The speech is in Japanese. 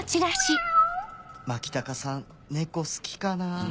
牧高さん猫好きかなぁ？